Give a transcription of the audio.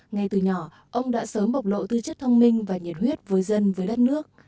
ngay từ nhỏ ông đã sớm bộc lộ tư chất thông minh và nhiệt huyết với dân với đất nước